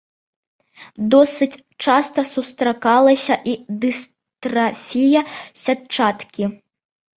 Досыць часта сустракалася і дыстрафія сятчаткі.